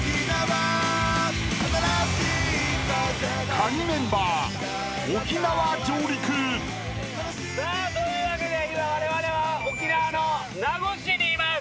［カギメンバー］さあというわけで今われわれは沖縄の名護市にいます。